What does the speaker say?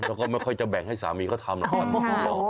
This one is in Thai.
แล้วก็ไม่ค่อยจะแบ่งให้สามีเขาทำนะ